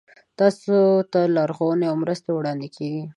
تاسو ته لارښوونې او مرستې وړاندې کیږي.